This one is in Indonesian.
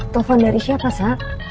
telepon dari siapa sa